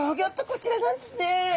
こちらなんですね。